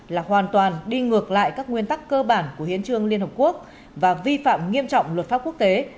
là hoàn toàn đi ngược lại các nguyên tắc cơ bản của hiến trương liên hợp quốc và vi phạm nghiêm trọng luật pháp quốc tế